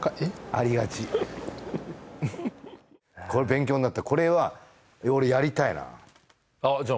ありがちこれ勉強になったこれは俺やりたいなあっじゃ